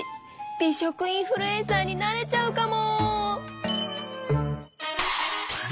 「美食インフルエンサー」になれちゃうかも！